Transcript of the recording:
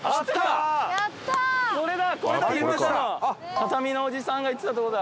畳のおじさんが言ってたとこだ。